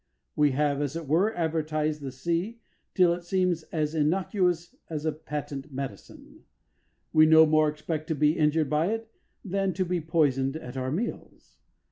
We have, as it were, advertised the sea till it seems as innocuous as a patent medicine. We no more expect to be injured by it than to be poisoned at our meals.